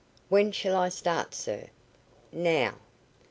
"When shall I start, sir?" "Now."